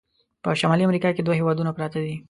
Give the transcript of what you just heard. په شمالي امریکا کې دوه هیوادونه پراته دي.